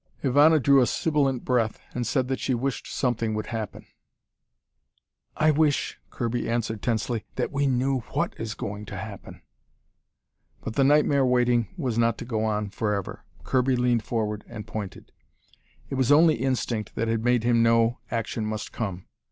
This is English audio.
Ivana drew a sibilant breath and said that she wished something would happen. "I wish," Kirby answered tensely, "that we knew what is going to happen." But the nightmare waiting was not to go on forever. Kirby leaned forward and pointed. It was only instinct that had made him know action must come.